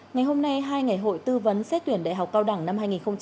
ngày hôm nay hai ngày hội tư vấn xét tuyển đại học cao đẳng năm hai nghìn hai mươi